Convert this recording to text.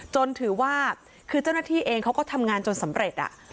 ถือว่าคือเจ้าหน้าที่เองเขาก็ทำงานจนสำเร็จ